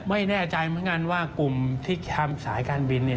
ไม่แน่ใจเหมือนกันว่ากลุ่มที่ทำสายการบินเนี่ย